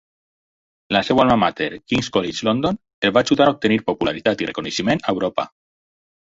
La seva alma mater, King's College London, el va ajudar a obtenir popularitat i reconeixement a Europa.